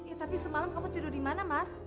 eh tapi semalam kamu tidur dimana mas